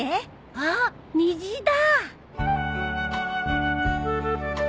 あっ虹だ！